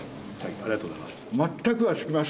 ありがとうございます。